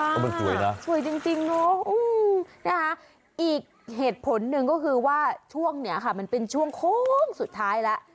อะสวยจริงเนอะอีกเหตุผลหนึ่งก็คือว่าช่วงเนี่ยค่ะมันเป็นช่วงโค้งสุดท้ายละ